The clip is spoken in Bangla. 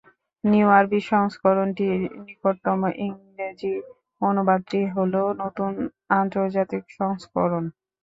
নিউ আরবি সংস্করণটির নিকটতম ইংরেজি অনুবাদটি হল নতুন আন্তর্জাতিক সংস্করণ।